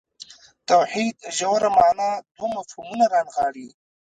توحید ژوره معنا دوه مفهومونه رانغاړي.